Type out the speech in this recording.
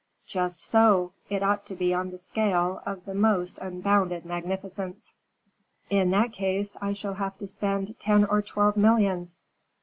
"Just so: it ought to be on a scale of the most unbounded magnificence." "In that case, I shall have to spend ten or twelve millions."